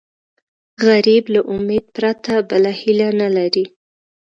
غریب له امید پرته بله هیله نه لري